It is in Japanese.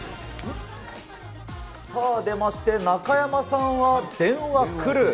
さあ、出まして、中山さんは、電話くる。